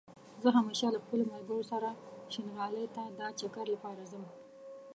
زه همېشه له خپلو ملګرو سره شينغالى ته دا چکر لپاره ځم